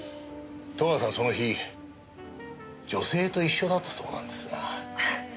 戸川さんその日女性と一緒だったそうなんですが。